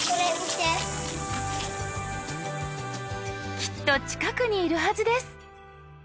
きっと近くにいるはずです。